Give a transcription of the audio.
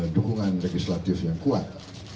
dukungan legislatif yang kuat